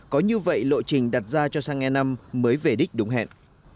có như vậy lộ trình đặt ra cho sang e năm mới về đích đúng hẹn